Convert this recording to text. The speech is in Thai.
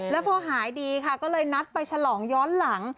แล้วพอหายดีค่ะก็เลยนัดไปฉลองย้อนหลัง